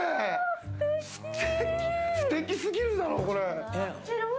ステキすぎるだろ、これ。